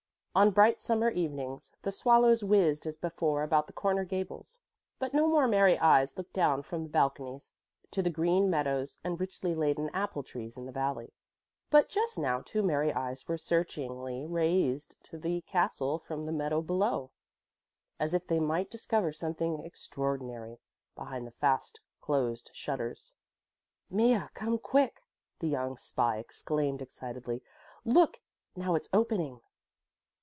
On bright summer evenings the swallows whizzed as before about the corner gables, but no more merry eyes looked down from the balconies to the green meadows and richly laden apple trees in the valley. But just now two merry eyes were searchingly raised to the castle from the meadow below, as if they might discover something extraordinary behind the fast closed shutters. "Mea, come quick," the young spy exclaimed excitedly, "look! Now it's opening."